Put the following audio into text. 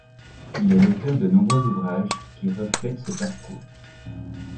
Il est l'auteur de nombreux ouvrages qui reflètent ce parcours.